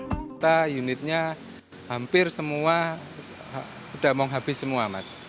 kita unitnya hampir semua udah mau habis semua mas